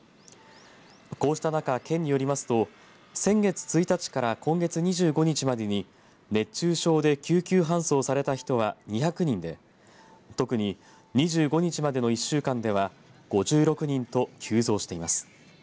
こうした中、県によりますと先月１日から今月２５日までに熱中症で救急搬送された人は２００人で特に２５日までの１週間では５６人と急増しています。